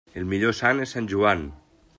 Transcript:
El millor sant és Sant Joan.